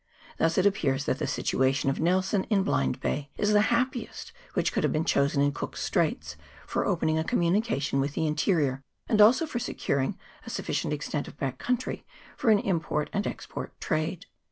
Thus, it appears that the situation of Nelson in Blind Bay is the happiest which could have been chosen in Cook's Straits for opening a communication with the interior, and also for secur ing a sufficient extent of back country for an import and export trade.